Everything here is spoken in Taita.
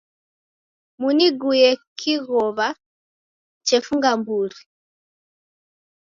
Muniguye kighow'a chefunga mburi.